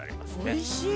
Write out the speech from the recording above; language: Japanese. ◆おいしい。